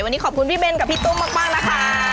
วันนี้ขอบคุณพี่เบนกับพี่ตุ้มมากนะคะ